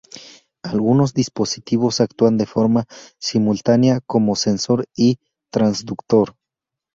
Algunos dispositivos actúan de forma simultánea como sensor y transductor.